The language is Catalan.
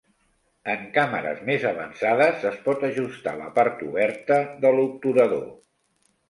En càmeres més avançades es pot ajustar la part oberta de l'obturador.